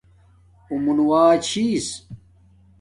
اُݸ مُنُوݳ چھݵس.